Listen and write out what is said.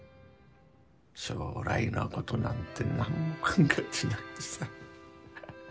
将来のことなんて何も考えてなくてさ。